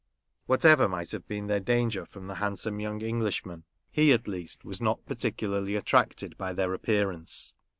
Whatever might have been their danger from the handsome young Englishman, he, at least, was not particularly attracted by their appear ance.